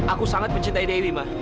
aku sangat mencintai dewi mah